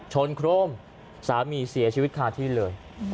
โครงสามีเสียชีวิตคาที่เลย